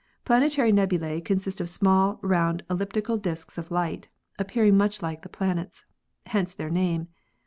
Planetary nebulae consist of small, round elliptical disks of light, appearing much like the planets. Hence their name.